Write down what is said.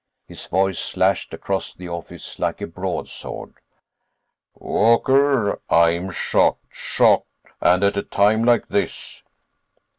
His voice slashed across the office like a broadsword. "Walker, I'm shocked. Shocked. And at a time like this...."